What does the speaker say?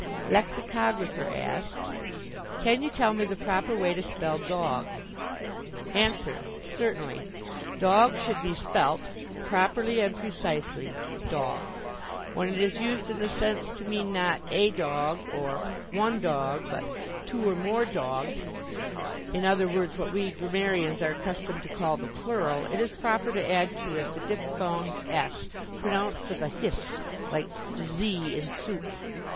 Lexicographer asks: Can you tell me the proper way to spell "dog"? Answer: Certainly. "Dog" should be spelt, properly and precisely, "dog." When it is used in the sense to mean not "a dog" or "one dog" but two or more dogs in other words what we grammarians are accustomed to call the plural it is proper to add to it the diphthong, s, pronounced with a hiss like z in soup.